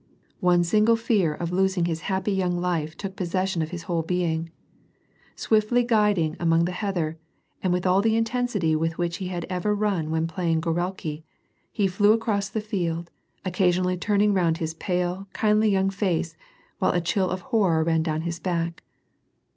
One single fear of losing his happy young life took jiossession of his whole being. Swiftly gliding among the heather, with all the intensity with w^hich he had ever run when playing ff(/re/ki. • he flew acroj s the field, occasionally turning round his i>ale, kindly youn^r face, while a chill of horror ran down his back.